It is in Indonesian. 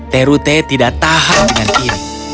terute tidak tahan dengan ini